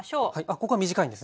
ここは短いんですね。